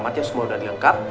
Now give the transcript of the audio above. alamatnya semua udah dilengkap